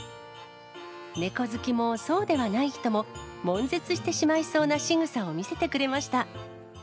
猫好きもそうではない人も、もん絶してしまいそうなしぐさを見せてくれました。